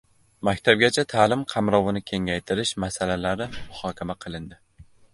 Maktabgacha ta’lim qamrovini kengaytirish masalalari muhokama qilindi